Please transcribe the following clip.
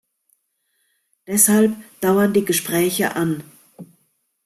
Deshalb dauern die Gespräche an.